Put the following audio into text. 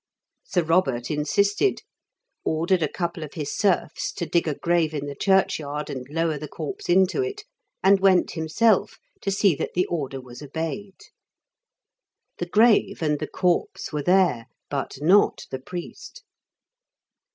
Sir Robert insisted, ordered a couple of his serfs to dig a grave in the churchyard and lower the corpse into it, and went himself to see that the order was obeyed. The grave and the corpse were there, but not the priest.